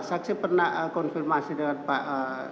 saksi pernah konfirmasi dengan pak